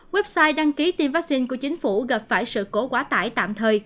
website đăng ký tiêm vaccine của chính phủ gặp phải sự cố quá tải tạm thời